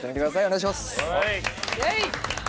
お願いします。